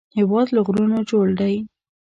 هېواد له غرونو جوړ دی